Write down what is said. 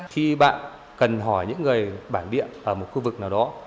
khi bạn cần hỏi những người bản địa ở một khu vực nào đó